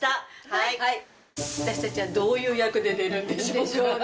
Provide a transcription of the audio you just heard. はい私達はどういう役で出るんでしょうか